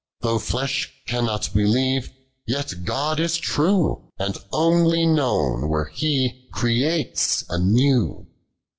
Though (lush cannot believe, yet God is true, And uiicly known, where He creates unow.